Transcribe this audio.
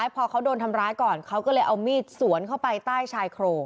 พอเขาโดนทำร้ายก่อนเขาก็เลยเอามีดสวนเข้าไปใต้ชายโครง